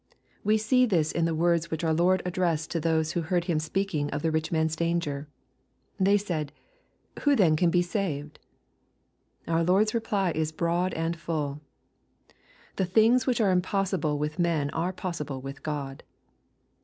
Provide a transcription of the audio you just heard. We see this in the words which our Lord addressed to those who heard Him speaking of the rich man's danger. They said, "who then can be saved .?" Our Lord's reply is broad and full :" The things which are impossible with men are possible with God."